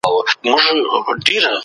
ولې فشار اشتها بدلوي؟